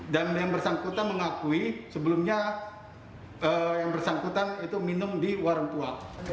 dan yang bersangkutan mengakui sebelumnya yang bersangkutan itu minum di warung tua